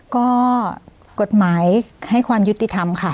ก็กฎหมายให้ความยุติธรรมค่ะ